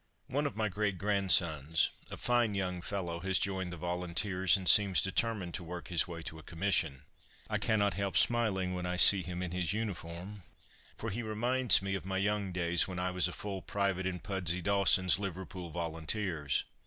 One of my great grandsons a fine young fellow, has joined the Volunteers: and seems determined to work his way to a commission. I cannot help smiling when I see him in his uniform, for he reminds me of my young days, when I was a full private in Pudsey Dawson's Liverpool Volunteers.